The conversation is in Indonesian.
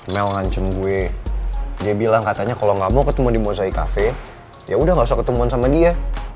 mel ngancem gue dia bilang katanya kalo gak mau ketemu di mosaic cafe yaudah gak usah ketemuan sama dia